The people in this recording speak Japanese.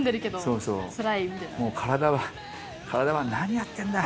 もう体は体は「何やってんだ！」